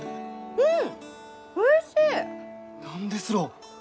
うん。